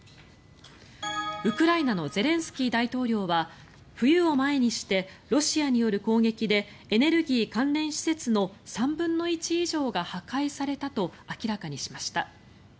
ウクライナのゼレンスキー大統領は冬を前にしてロシアによる攻撃でエネルギー関連施設の３分の１以上が破壊されたと明らかにしました。